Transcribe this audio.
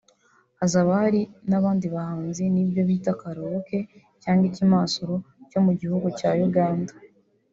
hazaba hari n’abandi bahanzi n’ibyo bita (Karaoke cg Ikimasuro) cyo mu gihugu cya Uganda